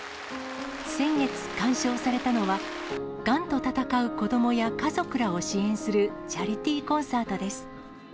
先月、鑑賞されたのは、がんと闘う子どもや家族らを支援するチャリティーコンサートです。